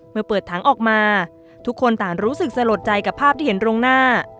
เมื่อเปิดถังออกมาทุกคนต่างรู้สึกสลดใจกับภาพที่เห็นตรงหน้า